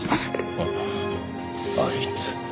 あっあいつ。